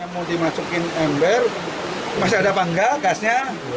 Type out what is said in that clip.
mau dimasukin ember masih ada apa enggak gasnya